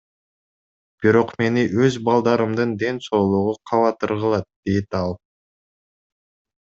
Бирок мени өз балдарымдын ден соолугу кабатыр кылат, — дейт ал.